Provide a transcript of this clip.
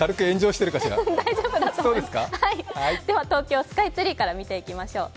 では東京スカツイツリーから見ていきましょう。